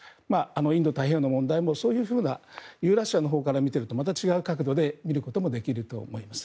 インド太平洋の問題もそういうふうなユーラシアのほうから見ているとまた違う角度で見ることもできると思います。